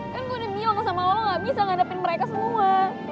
kan gue udah miong sama allah gak bisa ngadepin mereka semua